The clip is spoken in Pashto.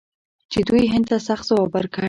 چې دوی هند ته سخت ځواب ورکړ.